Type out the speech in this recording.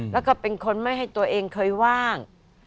แล้วก็เป็นคนไม่ให้ตัวเองเคยว่าง